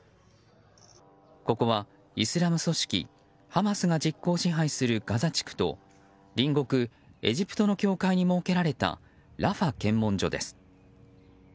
ここはイスラム組織ハマスが実効支配するガザ地区と隣国エジプトの境界に設けられたラファ検問所です。